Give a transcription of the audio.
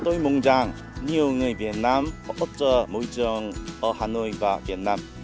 tôi mong rằng nhiều người việt nam có ước chờ môi trường ở hà nội và việt nam